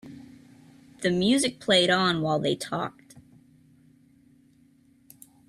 The music played on while they talked.